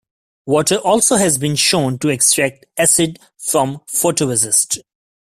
Water also has been shown to extract acid from photoresist.